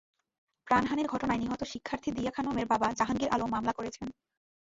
প্রাণহানির ঘটনায় নিহত শিক্ষার্থী দিয়া খানমের বাবা জাহাঙ্গীর আলম মামলা করেছেন।